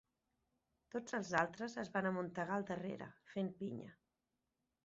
Tots els altres es van amuntegar al darrere, fent pinya.